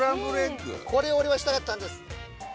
これを俺はしたかったんです。